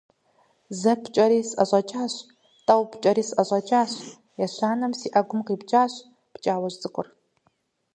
Зэ пкӀэри, сӀэщӀэкӀащ, тӀэу пкӀэри, сӀэщӀэкӀащ, ещанэм си Ӏэгум къихуащ пкӀауэжь цӀыкӀур.